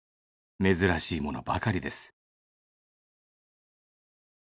「珍しいものばかりです」